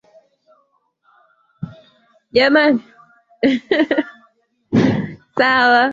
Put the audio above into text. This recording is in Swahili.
mchambuzi wa mambo akiwa pale kenya wahito habari ya leo